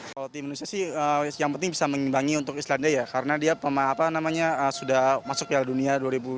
kalau tim indonesia sih yang penting bisa mengimbangi untuk islandia ya karena dia sudah masuk piala dunia dua ribu dua puluh